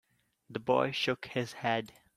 The boy shook his head.